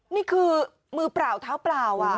นี่คือมือเปล่าเท้าเปล่า